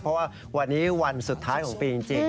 เพราะว่าวันนี้วันสุดท้ายของปีจริง